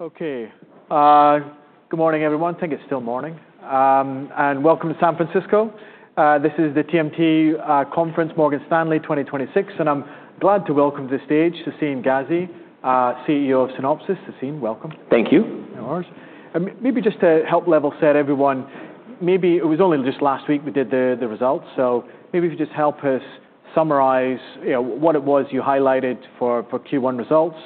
Good morning, everyone. Think it's still morning. Welcome to San Francisco. This is the TMT conference, Morgan Stanley 2026, I'm glad to welcome to the stage Sassine Ghazi, CEO of Synopsys. Sassine, welcome. Thank you. No worries. Maybe just to help level set everyone, maybe it was only just last week we did the results, so maybe if you just help us summarize, you know, what it was you highlighted for Q1 results,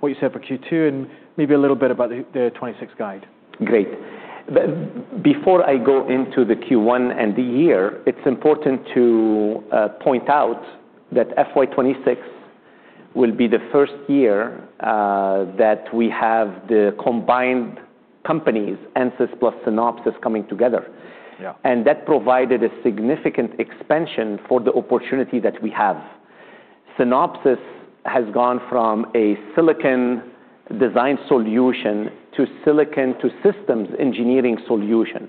what you said for Q2, and maybe a little bit about the '26 guide? Great. Before I go into the Q1 and the year, it's important to point out that FY26 will be the first year, that we have the combined companies, Ansys plus Synopsys, coming together. Yeah. That provided a significant expansion for the opportunity that we have. Synopsys has gone from a silicon design solution to silicon to systems engineering solution.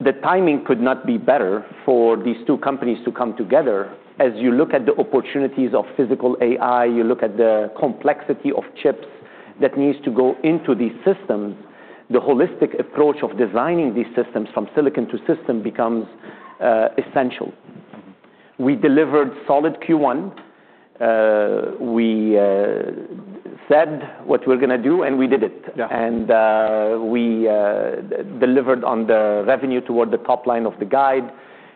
The timing could not be better for these two companies to come together. As you look at the opportunities of Physical AI, you look at the complexity of chips that needs to go into these systems, the holistic approach of designing these systems from silicon to system becomes essential. We delivered solid Q1. We said what we're gonna do, and we did it. Yeah. We delivered on the revenue toward the top line of the guide.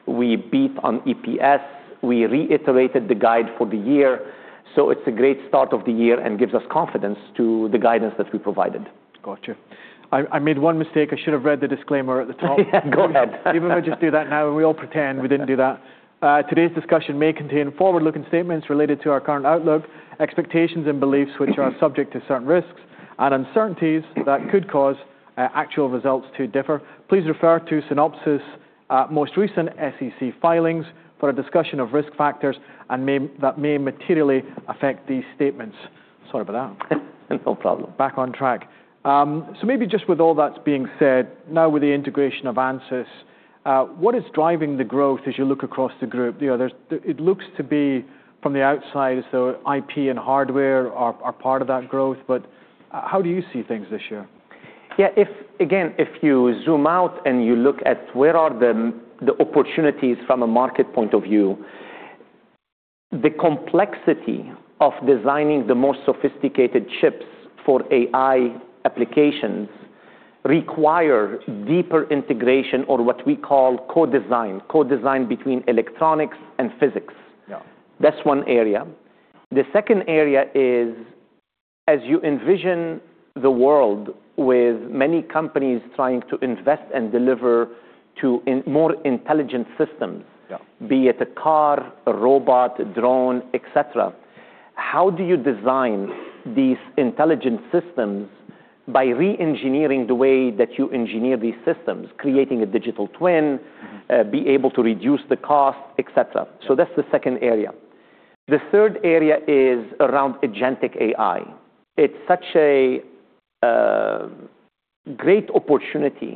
We beat on EPS. We reiterated the guide for the year. It's a great start of the year and gives us confidence to the guidance that we provided. Gotcha. I made one mistake. I should have read the disclaimer at the top. Go ahead. Even if I just do that now, we all pretend we didn't do that. Today's discussion may contain forward-looking statements related to our current outlook, expectations, and beliefs, which are subject to certain risks and uncertainties that could cause actual results to differ. Please refer to Synopsys' most recent SEC filings for a discussion of risk factors that may materially affect these statements. Sorry about that. No problem. Back on track. Maybe just with all that's being said, now with the integration of Ansys, what is driving the growth as you look across the group? You know, It looks to be from the outside as though IP and hardware are part of that growth, but how do you see things this year? Yeah, if again, if you zoom out and you look at where are the opportunities from a market point of view, the complexity of designing the more sophisticated chips for AI applications require deeper integration or what we call co-design, co-design between electronics and physics. Yeah. That's one area. The second area is, as you envision the world with many companies trying to invest and deliver to more intelligent systems. Yeah... be it a car, a robot, a drone, et cetera, how do you design these intelligent systems by re-engineering the way that you engineer these systems, creating a digital twin.... be able to reduce the cost, et cetera? That's the second area. The third area is around agentic AI. It's such a great opportunity......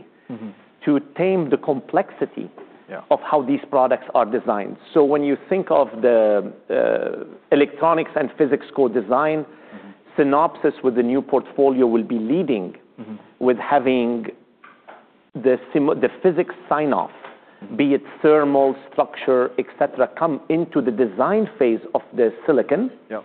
to tame the complexity. Yeah... of how these products are designed. When you think of the electronics and physics co-design.... Synopsys with the new portfolio will be leading-... with having the physics sign off, be it thermal, structure, et cetera, come into the design phase of the silicon. Yeah.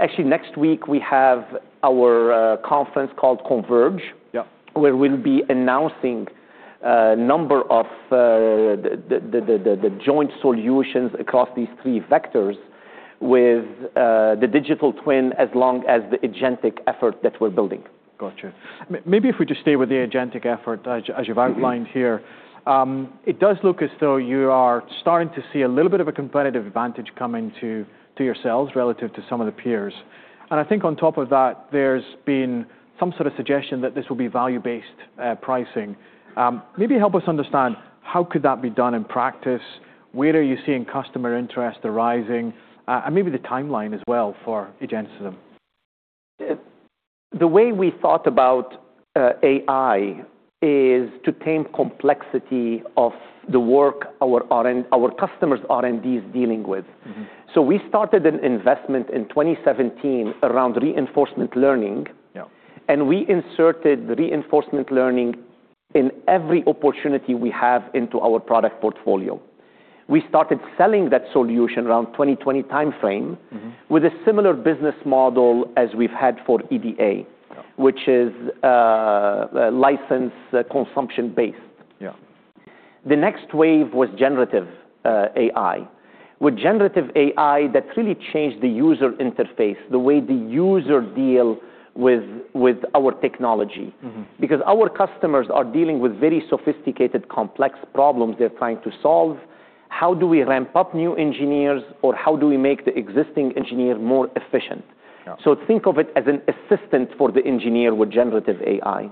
Actually, next week, we have our conference called Converge. Yeah... where we'll be announcing a number of the joint solutions across these three vectors with the digital twin as long as the agentic effort that we're building. Gotcha. Maybe if we just stay with the agentic effort as you've outlined here. It does look as though you are starting to see a little bit of a competitive advantage coming to yourselves relative to some of the peers. I think on top of that, there's been some sort of suggestion that this will be value-based pricing. Maybe help us understand how could that be done in practice, where are you seeing customer interest arising, and maybe the timeline as well for agentism? The way we thought about AI is to tame complexity of the work our customers' R&D is dealing with. We started an investment in 2017 around reinforcement learning. Yeah. We inserted reinforcement learning in every opportunity we have into our product portfolio. We started selling that solution around 2020 timeframe.... with a similar business model as we've had for EDA. Yeah... which is, license consumption-based. Yeah. The next wave was generative AI. With generative AI, that really changed the user interface, the way the user deal with our technology. Because our customers are dealing with very sophisticated, complex problems they're trying to solve. How do we ramp up new engineers, or how do we make the existing engineer more efficient? Yeah. Think of it as an assistant for the engineer with generative AI.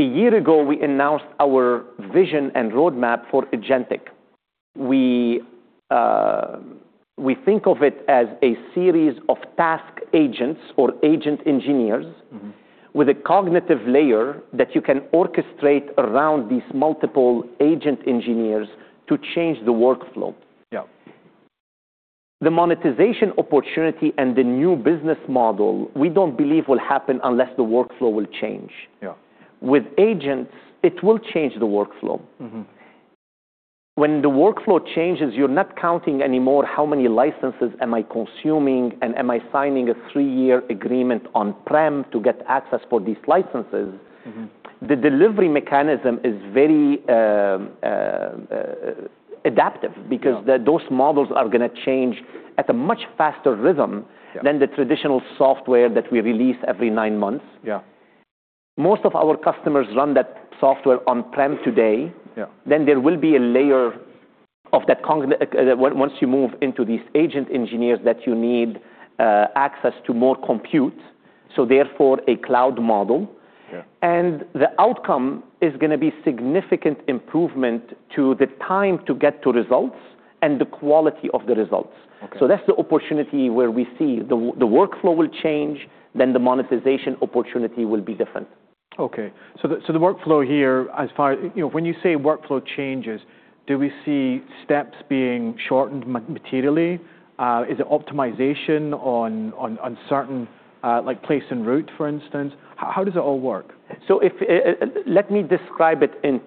A year ago, we announced our vision and roadmap for agentic. We think of it as a series of task agents or agent engineers, with a cognitive layer that you can orchestrate around these multiple agent engineers to change the workflow. Yeah. The monetization opportunity and the new business model we don't believe will happen unless the workflow will change. Yeah. With agents, it will change the workflow. When the workflow changes, you're not counting anymore how many licenses am I consuming, and am I signing a 3-year agreement on-prem to get access for these licenses. The delivery mechanism is very, adaptive- Yeah... because those models are gonna change at a much faster rhythm. Yeah than the traditional software that we release every nine months. Yeah. Most of our customers run that software on-prem today. Yeah. There will be a layer of that once you move into these agent engineers that you need access to more compute, so therefore a cloud model. Yeah. The outcome is going to be significant improvement to the time to get to results and the quality of the results. Okay. That's the opportunity where we see the workflow will change, then the monetization opportunity will be different. The workflow here. You know, when you say workflow changes, do we see steps being shortened materially? Is it optimization on certain, like place and route, for instance? How does it all work? Let me describe it in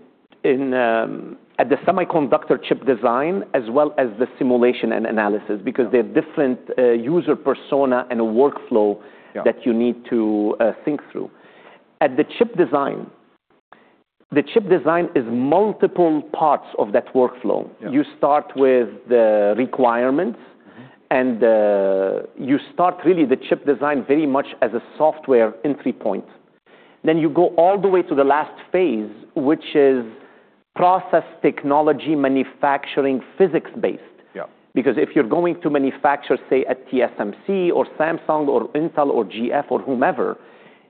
at the semiconductor chip design as well as the simulation and analysis- Yeah... because they're different, user persona and workflow- Yeah... that you need to think through. At the chip design, the chip design is multiple parts of that workflow. Yeah. You start with the requirements. ... you start really the chip design very much as a software entry point. You go all the way to the last phase, which is process technology manufacturing physics-based. Yeah. If you're going to manufacture, say, at TSMC or Samsung or Intel or GF or whomever,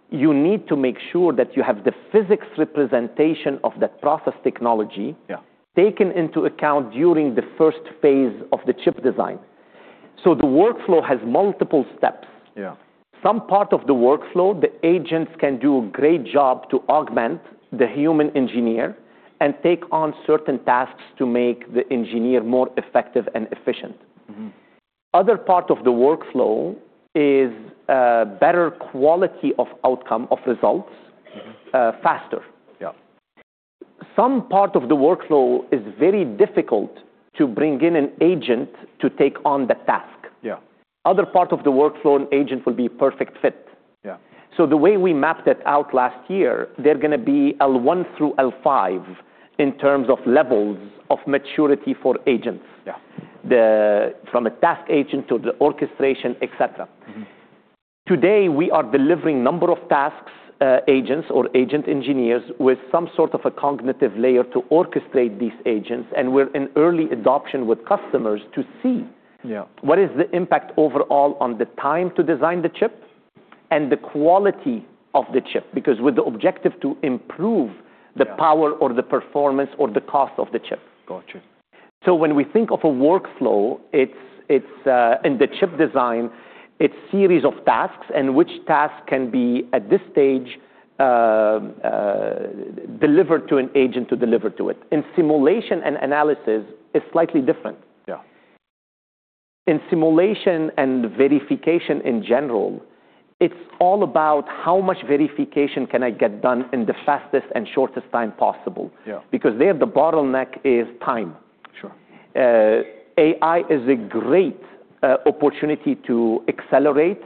you need to make sure that you have the physics representation of that process technology. Yeah... taken into account during the first phase of the chip design. The workflow has multiple steps. Yeah. Some part of the workflow, the agents can do a great job to augment the human engineer and take on certain tasks to make the engineer more effective and efficient. Other part of the workflow is, better quality of outcome of results.... faster. Yeah. Some part of the workflow is very difficult to bring in an agent to take on the task. Yeah. Other part of the workflow, an agent will be perfect fit. Yeah. The way we mapped it out last year, they're gonna be L1 through L5 in terms of levels of maturity for agents. Yeah. From a task agent to the orchestration, et cetera. Today, we are delivering number of tasks, agents or agent engineers with some sort of a cognitive layer to orchestrate these agents, and we're in early adoption with customers. Yeah... what is the impact overall on the time to design the chip and the quality of the chip. With the objective to improve- Yeah... the power or the performance or the cost of the chip. Gotcha. When we think of a workflow, it's, in the chip design, it's series of tasks and which task can be, at this stage, delivered to an agent to deliver to it. In simulation and analysis, it's slightly different. Yeah. In simulation and verification in general, it's all about how much verification can I get done in the fastest and shortest time possible. Yeah... because there the bottleneck is time. Sure. AI is a great opportunity to accelerate.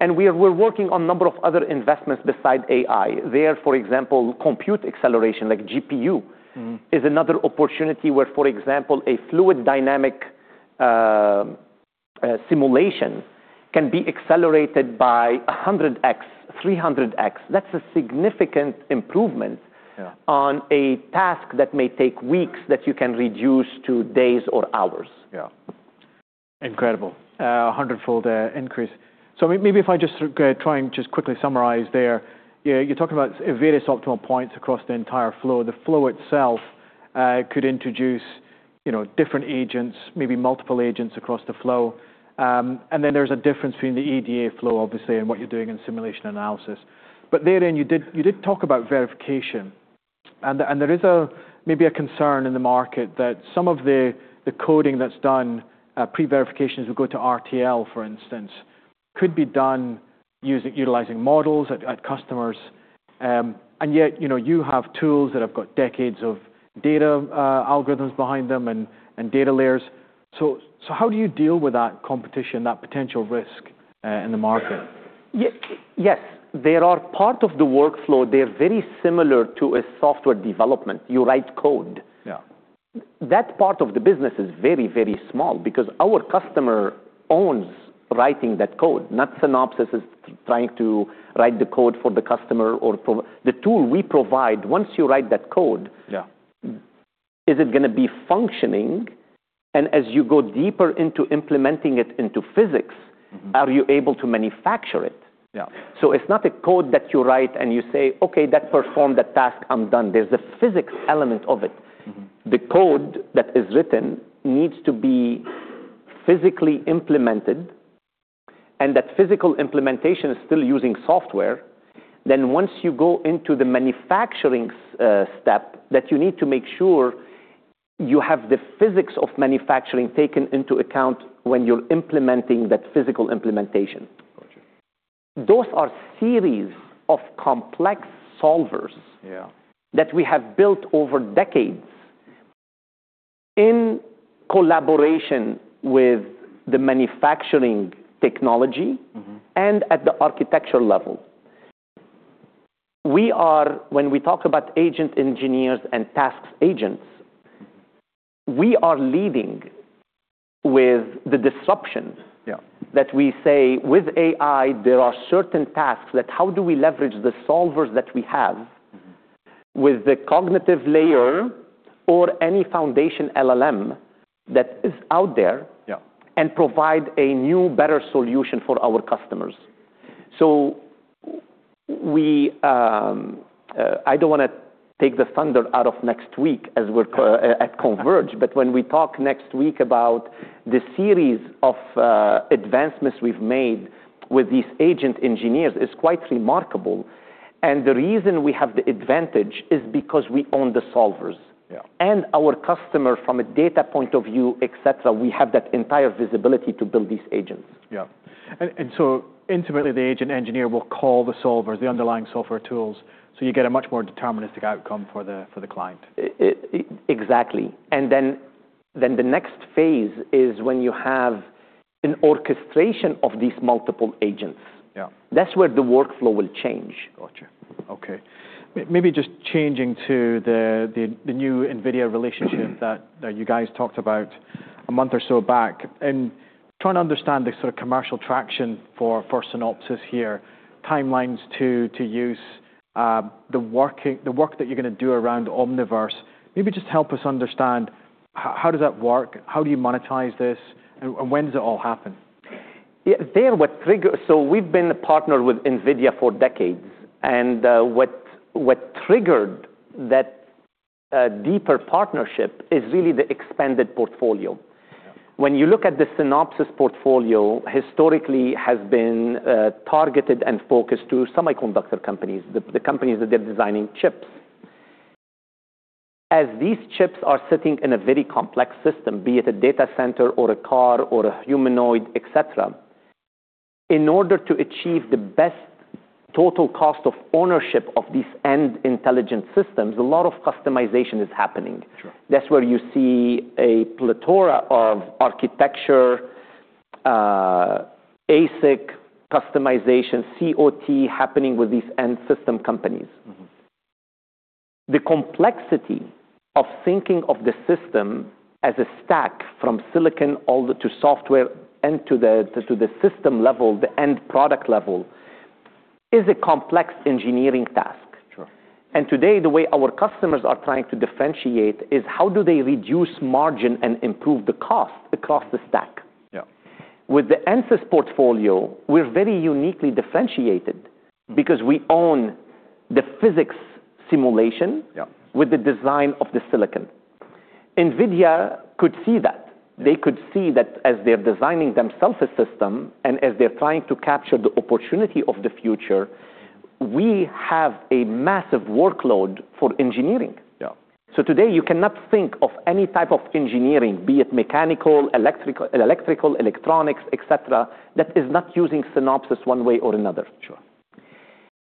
We're working on number of other investments beside AI. There, for example, compute acceleration like GPU-. Mm-hmm is another opportunity where, for example, a fluid dynamics simulation can be accelerated by 100x, 300x. That's a significant improvement. Yeah on a task that may take weeks that you can reduce to days or hours. Yeah, incredible. A 100-fold increase. Maybe if I just try and just quickly summarize there. Yeah, you're talking about various optimal points across the entire flow. The flow itself could introduce, you know, different agents, maybe multiple agents across the flow. Then there's a difference between the EDA flow, obviously, and what you're doing in simulation analysis. Therein, you did talk about verification. There is a, maybe a concern in the market that some of the coding that's done pre-verifications will go to RTL, for instance, could be done utilizing models at customers. Yet, you know, you have tools that have got decades of data, algorithms behind them and data layers. How do you deal with that competition, that potential risk in the market? Yes. They are part of the workflow. They're very similar to a software development. You write code. Yeah. That part of the business is very, very small because our customer owns writing that code, not Synopsys is trying to write the code for the customer. The tool we provide, once you write that code... Yeah... is it gonna be functioning? As you go deeper into implementing it into physics... Are you able to manufacture it? Yeah. It's not a code that you write and you say, "Okay, that performed the task. I'm done." There's a physics element of it. The code that is written needs to be physically implemented, and that physical implementation is still using software, then once you go into the manufacturing step, that you need to make sure you have the physics of manufacturing taken into account when you're implementing that physical implementation. Gotcha. Those are series of complex solvers. Yeah that we have built over decades in collaboration with the manufacturing technology.... and at the architectural level. When we talk about agent engineers and task agents, we are leading with the disruptions. Yeah... that we say with AI, there are certain tasks that how do we leverage the solvers that we have?... with the cognitive layer or any foundation LLM that is out there... Yeah... and provide a new, better solution for our customers. We, I don't wanna take the thunder out of next week as we're at Converge, but when we talk next week about the series of advancements we've made with these agent engineers is quite remarkable, and the reason we have the advantage is because we own the solvers. Yeah. Our customer from a data point of view, et cetera, we have that entire visibility to build these agents. Yeah. Intimately, the agent engineer will call the solvers, the underlying software tools, so you get a much more deterministic outcome for the client. Exactly. Then the next phase is when you have an orchestration of these multiple agents. Yeah. That's where the workflow will change. Gotcha. Okay. Maybe just changing to the new NVIDIA relationship that you guys talked about a month or so back, trying to understand the sort of commercial traction for Synopsys here, timelines to use the work that you're gonna do around Omniverse. Maybe just help us understand how does that work? How do you monetize this? When does it all happen? Yeah, Dan, we've been a partner with NVIDIA for decades, and what triggered that deeper partnership is really the expanded portfolio. Yeah. When you look at the Synopsys portfolio, historically has been targeted and focused to semiconductor companies, the companies that they're designing chips. As these chips are sitting in a very complex system, be it a data center or a car or a humanoid, et cetera, in order to achieve the best total cost of ownership of these end intelligent systems, a lot of customization is happening. Sure. That's where you see a plethora of architecture, ASIC customization, COT happening with these end system companies. The complexity of thinking of the system as a stack from silicon all the way to software and to the, to the system level, the end product level, is a complex engineering task. Sure. Today, the way our customers are trying to differentiate is how do they reduce margin and improve the cost across the stack? Yeah. With the Ansys portfolio, we're very uniquely differentiated because we own the physics simulation. Yeah... with the design of the silicon. NVIDIA could see that. They could see that as they're designing themselves a system and as they're trying to capture the opportunity of the future, we have a massive workload for engineering. Yeah. Today, you cannot think of any type of engineering, be it mechanical, electrical, electronics, et cetera, that is not using Synopsys one way or another. Sure.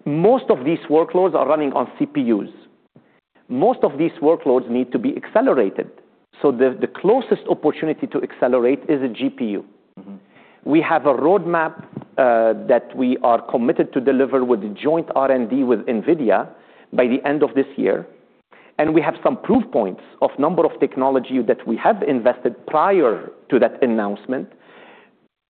Most of these workloads are running on CPUs. The closest opportunity to accelerate is a GPU. We have a roadmap that we are committed to deliver with joint R&D with NVIDIA by the end of this year, and we have some proof points of number of technology that we have invested prior to that announcement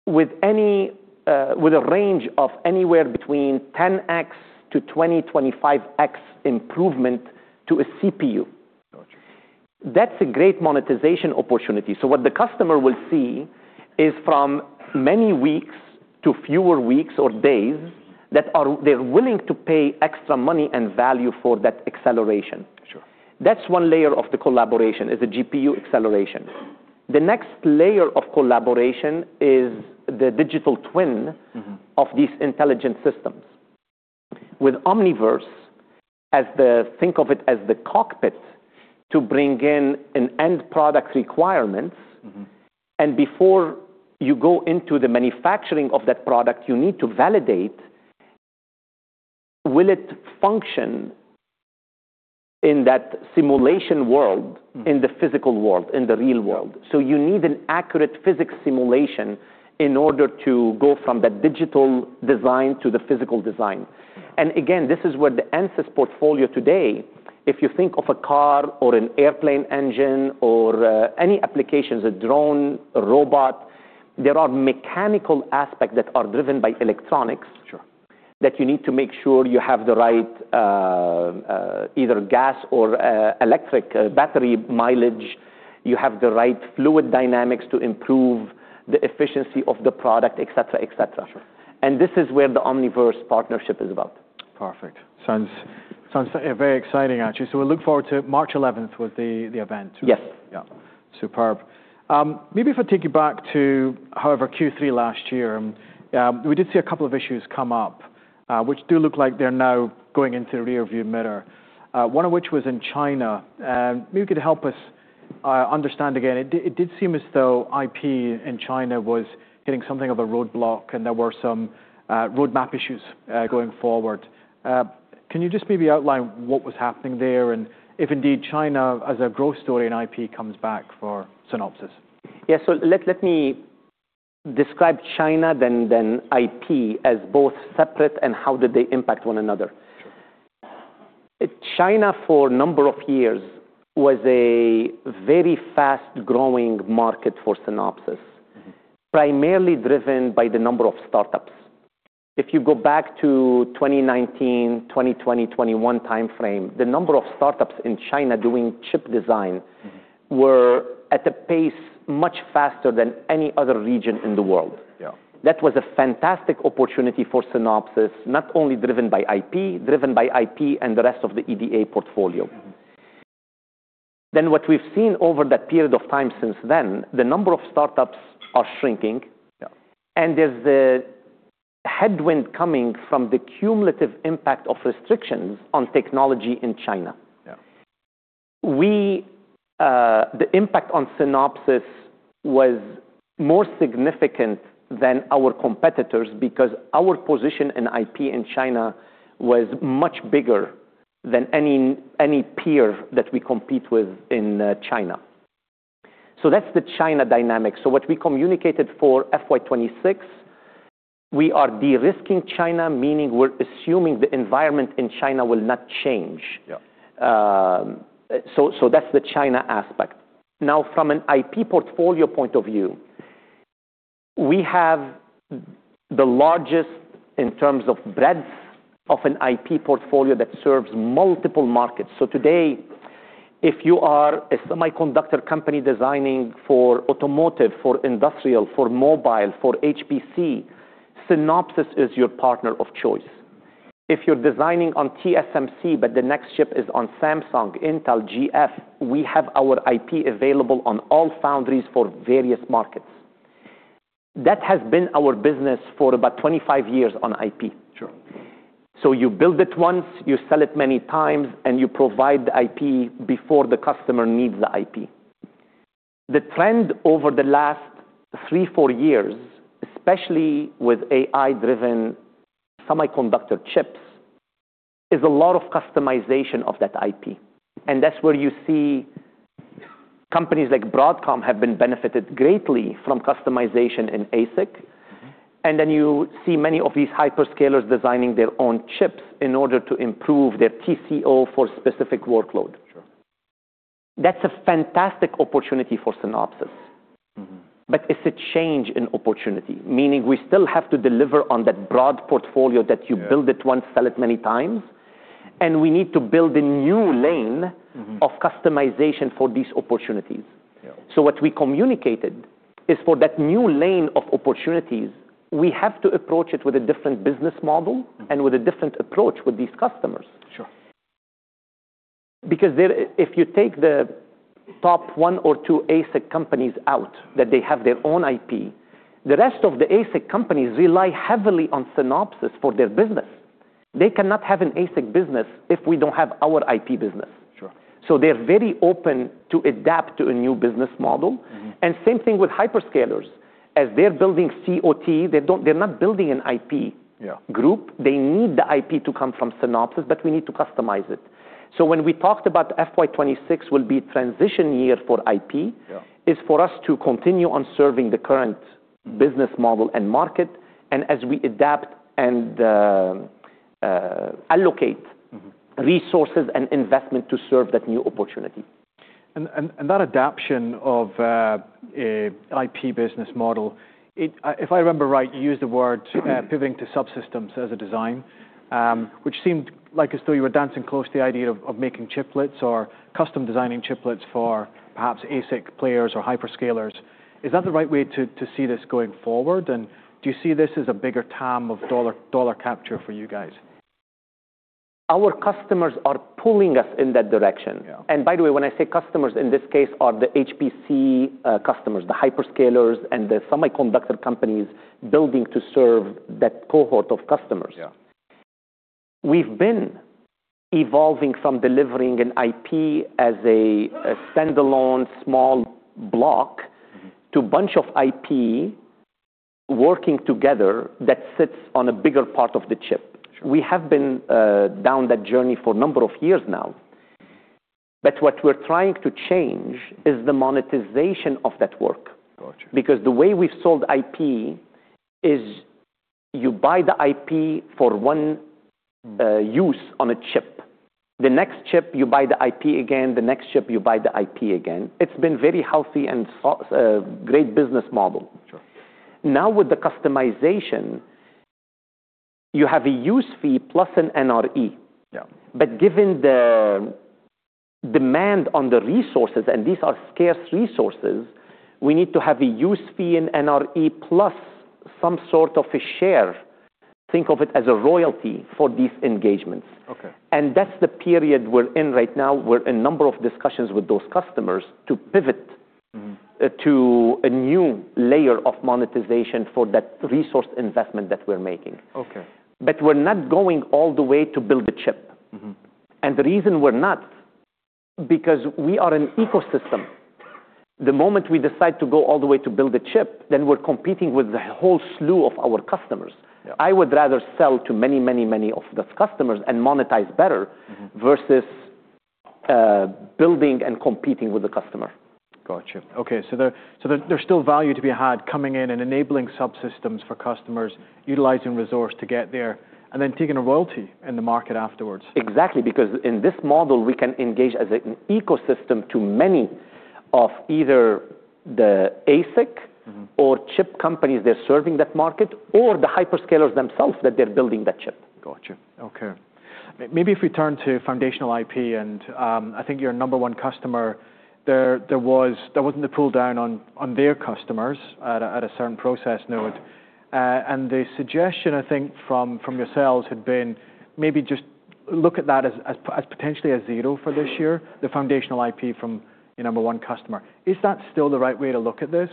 with a range of anywhere between 10x to 20-25x improvement to a CPU. Gotcha. That's a great monetization opportunity. What the customer will see is from many weeks to fewer weeks or days, they're willing to pay extra money and value for that acceleration. Sure. That's one layer of the collaboration, is the GPU acceleration. The next layer of collaboration is the digital twin-... of these intelligent systems. With Omniverse as the, think of it as the cockpit to bring in an end product requirements. Before you go into the manufacturing of that product, you need to validate will it function in that simulation world, in the physical world, in the real world? You need an accurate physics simulation in order to go from the digital design to the physical design. Again, this is where the Ansys portfolio today, if you think of a car or an airplane engine or, any applications, a drone, a robot, there are mechanical aspects that are driven by electronics- Sure... that you need to make sure you have the right, either gas or electric battery mileage. You have the right fluid dynamics to improve the efficiency of the product, et cetera, et cetera. Sure. This is where the Omniverse partnership is about. Perfect. Sounds very exciting actually. We look forward to March 11th with the event. Yes. Yeah. Superb. Maybe if I take you back to, however, Q3 last year, yeah, we did see a couple of issues come up, which do look like they're now going into the rear view mirror, one of which was in China. Maybe you could help us understand again. It did seem as though IP in China was hitting something of a roadblock, and there were some roadmap issues going forward. Can you just maybe outline what was happening there, and if indeed China as a growth story in IP comes back for Synopsys? Yeah. Let me describe China then IP as both separate and how did they impact one another. China for a number of years was a very fast-growing market for Synopsys.... primarily driven by the number of startups. If you go back to 2019, 2020, 2021 timeframe, the number of startups in China doing chip design- were at a pace much faster than any other region in the world. Yeah. That was a fantastic opportunity for Synopsys, not only driven by IP, driven by IP and the rest of the EDA portfolio. What we've seen over that period of time since then, the number of startups are shrinking. Yeah. There's a headwind coming from the cumulative impact of restrictions on technology in China. Yeah. The impact on Synopsys was more significant than our competitors because our position in IP in China was much bigger than any peer that we compete with in China. That's the China dynamic. What we communicated for FY26, we are de-risking China, meaning we're assuming the environment in China will not change. Yeah. That's the China aspect. Now, from an IP portfolio point of view, we have the largest in terms of breadth of an IP portfolio that serves multiple markets. Today, if you are a semiconductor company designing for automotive, for industrial, for mobile, for HPC, Synopsys is your partner of choice. If you're designing on TSMC, but the next chip is on Samsung, Intel, GF, we have our IP available on all foundries for various markets. That has been our business for about 25 years on IP. Sure. You build it once, you sell it many times, and you provide the IP before the customer needs the IP. The trend over the last 3, 4 years, especially with AI-driven semiconductor chips, is a lot of customization of that IP. That's where you see companies like Broadcom have been benefited greatly from customization in ASIC. You see many of these hyperscalers designing their own chips in order to improve their TCO for specific workload. Sure. That's a fantastic opportunity for Synopsys. It's a change in opportunity, meaning we still have to deliver on that broad portfolio that you build it once, sell it many times, and we need to build a new lane. of customization for these opportunities. Yeah. What we communicated is for that new lane of opportunities, we have to approach it with a different business model and with a different approach with these customers. Sure. There, if you take the top one or two ASIC companies out, that they have their own IP, the rest of the ASIC companies rely heavily on Synopsys for their business. They cannot have an ASIC business if we don't have our IP business. Sure. They're very open to adapt to a new business model. Same thing with hyperscalers. As they're building COT, they're not building an IP- Yeah group. They need the IP to come from Synopsys, but we need to customize it. When we talked about FY26 will be transition year for IP- Yeah is for us to continue on serving the current business model and market, and as we adapt and, allocate-. resources and investment to serve that new opportunity. That adaptation of a IP business model, if I remember right, you used the word pivoting to subsystems as a design, which seemed like as though you were dancing close to the idea of making chiplets or custom designing chiplets for perhaps ASIC players or hyperscalers. Is that the right way to see this going forward? Do you see this as a bigger TAM of dollar capture for you guys? Our customers are pulling us in that direction. Yeah. By the way, when I say customers, in this case are the HPC customers, the hyperscalers and the semiconductor companies building to serve that cohort of customers. Yeah. We've been evolving from delivering an IP as a standalone small block.... to a bunch of IP working together that sits on a bigger part of the chip. Sure. We have been down that journey for a number of years now. What we're trying to change is the monetization of that work. Got you. The way we've sold IP is you buy the IP for 1, use on a chip. The next chip, you buy the IP again. The next chip, you buy the IP again. It's been very healthy, great business model. Sure. Now with the customization, you have a use fee plus an NRE. Yeah. Given Demand on the resources, and these are scarce resources, we need to have a use fee in NRE plus some sort of a share, think of it as a royalty for these engagements. Okay. That's the period we're in right now. We're in number of discussions with those customers to pivot. ...to a new layer of monetization for that resource investment that we're making. Okay. We're not going all the way to build a chip. The reason we're not, because we are an ecosystem, the moment we decide to go all the way to build a chip, then we're competing with a whole slew of our customers. Yeah. I would rather sell to many, many, many of those customers and monetize better...... versus building and competing with the customer. Gotcha. Okay. There's still value to be had coming in and enabling subsystems for customers, utilizing resource to get there, and then taking a royalty in the market afterwards. Exactly, because in this model, we can engage as an ecosystem to many of either the ASIC-... or chip companies that are serving that market or the hyperscalers themselves that they're building that chip. Gotcha. Okay. Maybe if we turn to foundational IP and, I think your number one customer there, There wasn't a pull down on their customers at a certain process node. The suggestion, I think, from yourselves had been maybe just look at that as potentially a zero for this year, the foundational IP from your number one customer. Is that still the right way to look at this?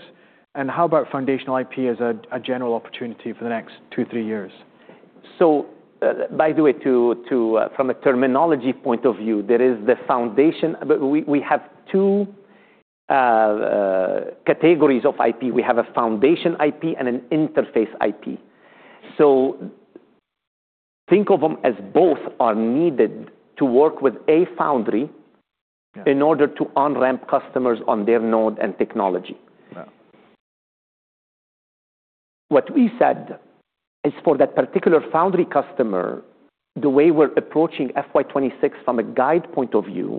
How about foundational IP as a general opportunity for the next 2, 3 years? By the way, to from a terminology point of view, there is the foundation. We have two categories of IP. We have a Foundation IP and an Interface IP. Think of them as both are needed to work with a foundry in order to on-ramp customers on their node and technology. Yeah. What we said is for that particular foundry customer, the way we're approaching FY26 from a guide point of view....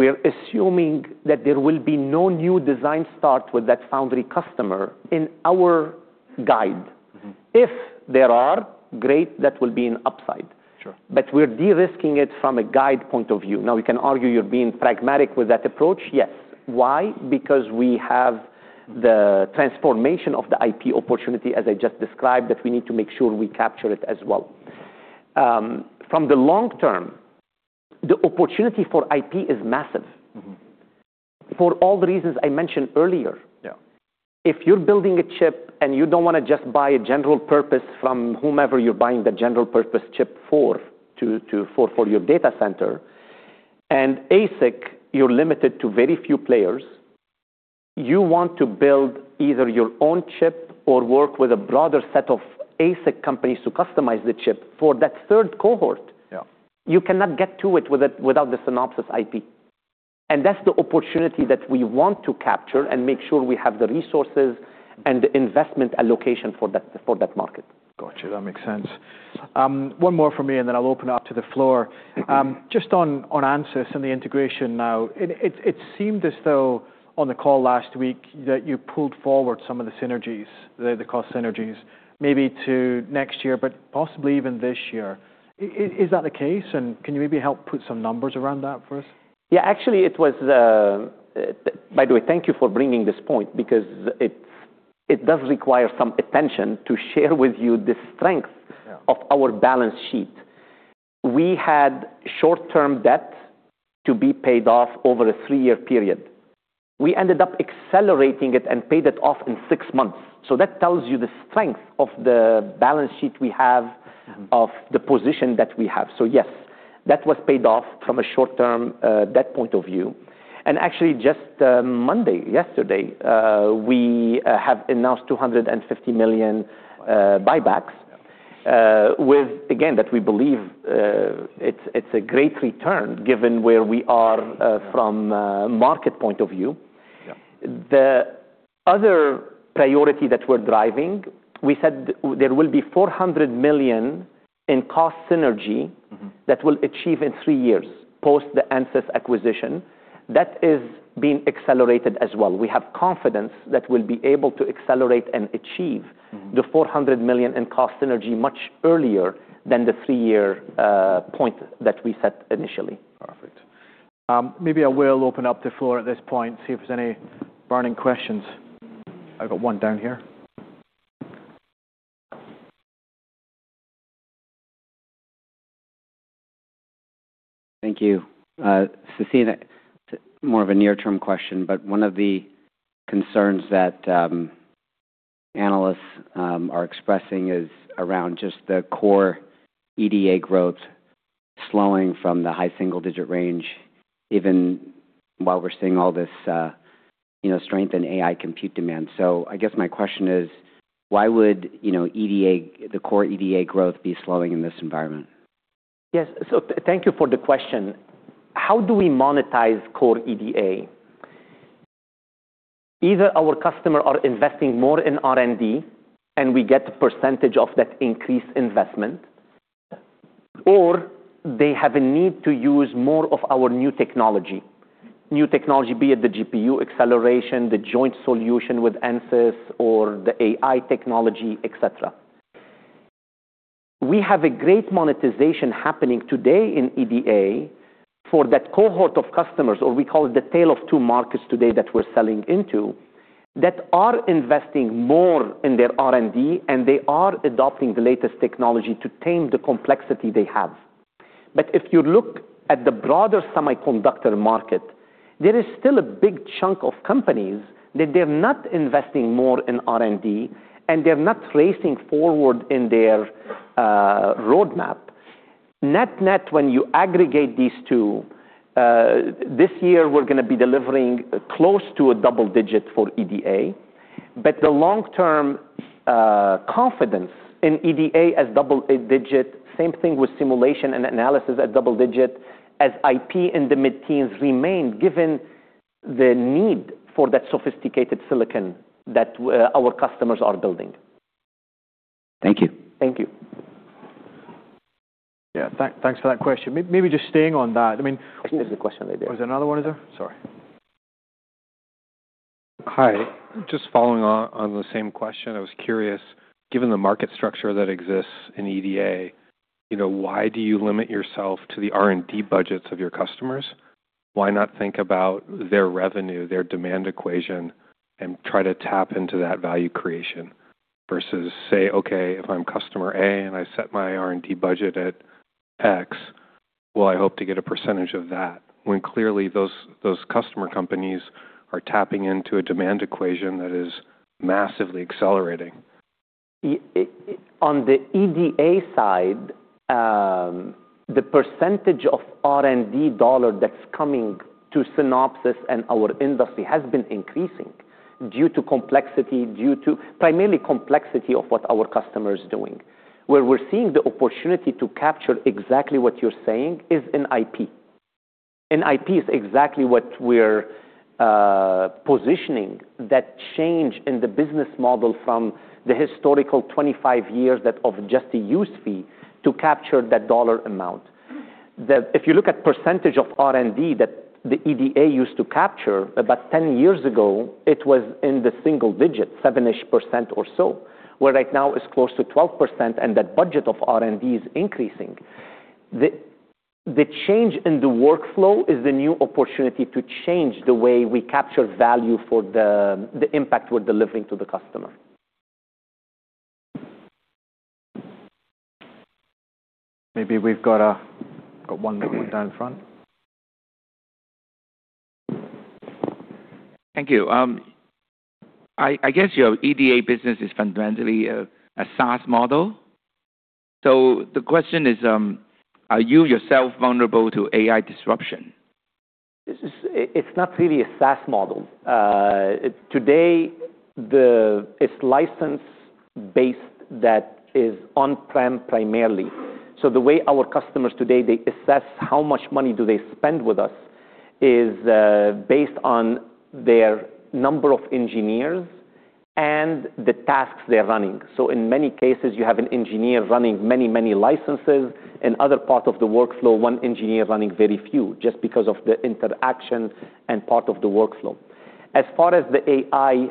we're assuming that there will be no new design start with that foundry customer in our guide. If there are, great, that will be an upside. Sure. We're de-risking it from a guide point of view. Now, we can argue you're being pragmatic with that approach. Yes. Why? Because we have the transformation of the IP opportunity, as I just described, that we need to make sure we capture it as well. From the long term, the opportunity for IP is massive. For all the reasons I mentioned earlier. Yeah. If you're building a chip and you don't wanna just buy a general purpose from whomever you're buying the general purpose chip for your data center, and ASIC, you're limited to very few players. You want to build either your own chip or work with a broader set of ASIC companies to customize the chip for that third cohort. Yeah. You cannot get to it without the Synopsys IP. That's the opportunity that we want to capture and make sure we have the resources and the investment allocation for that, for that market. Got you. That makes sense. One more from me, and then I'll open up to the floor. Just on Ansys and the integration now. It seemed as though on the call last week that you pulled forward some of the synergies, the cost synergies maybe to next year, but possibly even this year. Is that the case? Can you maybe help put some numbers around that for us? Yeah. Actually, it was... By the way, thank you for bringing this point because it does require some attention to share with you the strength- Yeah of our balance sheet. We had short-term debt to be paid off over a three-year period. We ended up accelerating it and paid it off in six months. That tells you the strength of the balance sheet we have.... of the position that we have. Yes, that was paid off from a short-term debt point of view. Actually just Monday, yesterday, we have announced $250 million buybacks. Yeah. With again, that we believe, it's a great return given where we are, from a market point of view. Yeah. The other priority that we're driving, we said there will be $400 million in cost synergy.... that we'll achieve in three years post the Ansys acquisition. That is being accelerated as well. We have confidence that we'll be able to accelerate and achieve-... the $400 million in cost synergy much earlier than the three-year point that we set initially. Perfect. Maybe I will open up the floor at this point, see if there's any burning questions. I've got one down here. Thank you. Sassine, more of a near-term question, but one of the concerns that analysts are expressing is around just the core EDA growth slowing from the high single-digit range, even while we're seeing all this, you know, strength in AI compute demand. I guess my question is, why would, you know, EDA, the core EDA growth be slowing in this environment? Yes. Thank you for the question. How do we monetize core EDA? Either our customer are investing more in R&D and we get a percentage of that increased investment, or they have a need to use more of our new technology. New technology, be it the GPU acceleration, the joint solution with Ansys or the AI technology, et cetera. We have a great monetization happening today in EDA for that cohort of customers, or we call it the tale of two markets today that we're selling into, that are investing more in their R&D, and they are adopting the latest technology to tame the complexity they have. If you look at the broader semiconductor market, there is still a big chunk of companies that they're not investing more in R&D, and they're not racing forward in their roadmap. Net, when you aggregate these two, this year we're gonna be delivering close to a double-digit for EDA. The long-term confidence in EDA as double-digit, same thing with simulation and analysis at double-digit, as IP in the mid-teens remain given the need for that sophisticated silicon that our customers are building. Thank you. Thank you. Yeah. Thanks for that question. Maybe just staying on that. I mean There's a question right there. Oh, is there another one? Sorry. Hi. Just following on the same question. I was curious, given the market structure that exists in EDA, you know, why do you limit yourself to the R&D budgets of your customers? Why not think about their revenue, their demand equation, and try to tap into that value creation versus say, "Okay, if I'm customer A and I set my R&D budget at X, well, I hope to get a percentage of that," when clearly those customer companies are tapping into a demand equation that is massively accelerating? On the EDA side, the percentage of R&D dollar that's coming to Synopsys and our industry has been increasing due to complexity, due to primarily complexity of what our customer is doing. Where we're seeing the opportunity to capture exactly what you're saying is in IP. In IP is exactly what we're positioning that change in the business model from the historical 25 years that of just a use fee to capture that dollar amount. If you look at percentage of R&D that the EDA used to capture, about 10 years ago, it was in the single digits, 7-ish% or so, where right now it's close to 12%, and that budget of R&D is increasing. The change in the workflow is the new opportunity to change the way we capture value for the impact we're delivering to the customer. Got one down the front. Thank you. I guess your EDA business is fundamentally a SaaS model. The question is, are you yourself vulnerable to AI disruption? It's not really a SaaS model. Today, it's license-based that is on-prem primarily. The way our customers today, they assess how much money do they spend with us is based on their number of engineers and the tasks they're running. In many cases, you have an engineer running many, many licenses. In other parts of the workflow, one engineer running very few just because of the interaction and part of the workflow. As far as the AI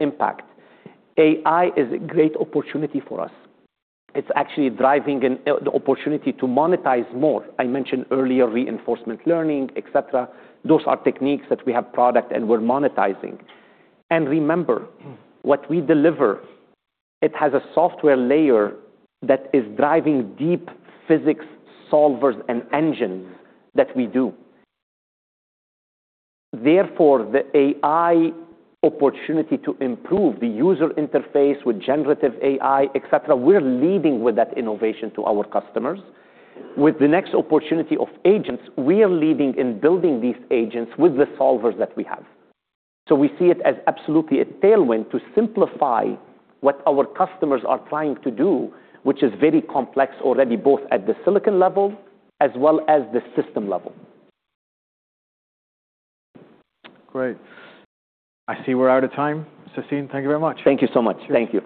impact, AI is a great opportunity for us. It's actually driving the opportunity to monetize more. I mentioned earlier reinforcement learning, et cetera. Those are techniques that we have product and we're monetizing. Remember, what we deliver, it has a software layer that is driving deep physics solvers and engines that we do. The AI opportunity to improve the user interface with generative AI, et cetera, we're leading with that innovation to our customers. With the next opportunity of agents, we are leading in building these agents with the solvers that we have. We see it as absolutely a tailwind to simplify what our customers are trying to do, which is very complex already, both at the silicon level as well as the system level. Great. I see we're out of time. Sassine, thank you very much. Thank you so much. Thank you.